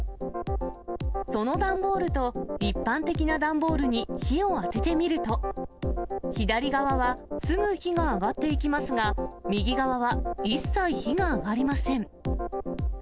その段ボールと、一般的な段ボールに火を当ててみると、左側はすぐ火が上がっていきますが、右側は一切火が上がりません。